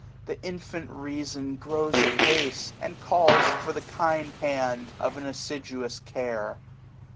The infant reason grows apace, and calls For the kind hand of an assiduous care.